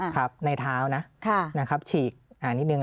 ครับในเท้านะฉีกนิดหนึ่ง